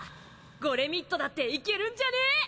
ゴレミッドだっていけるんじゃね！？